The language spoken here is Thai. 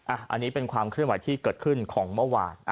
อันนี้เป็นความเคลื่อนไหวที่เกิดขึ้นของเมื่อวาน